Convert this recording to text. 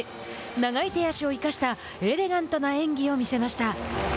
長い手足を生かしたエレガントな演技を見せました。